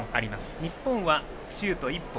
日本はシュート１本。